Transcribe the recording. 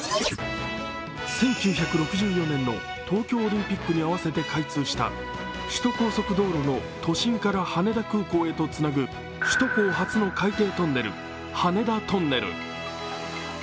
１９６４年の東京オリンピックに合わせて開通した首都高速道路の都心から羽田空港へとつなぐ首都高初の海底トンネル羽田トンネル。